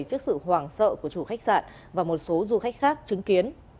trước sự hoảng sợ của chủ khách sạn và một số du khách khác chứng kiến